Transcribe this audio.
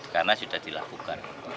karena sudah dilakukan